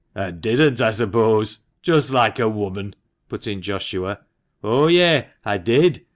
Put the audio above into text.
" And didn't, I suppose. Just like a woman," put in Joshua. "Oh, yea, I did.